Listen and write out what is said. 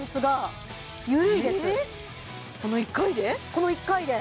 この１回で？